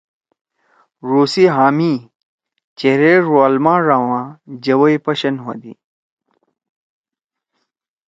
ڙو سی ہآ می چیرے ڙوأل ماڙا ما جوَئی پَشَن ہودی۔